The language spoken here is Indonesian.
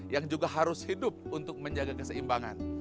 yang juga harus hidup untuk menjaga keseimbangan